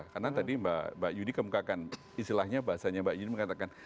karena tadi mbak yudi kemukakan istilahnya bahasanya mbak yudi mengatakan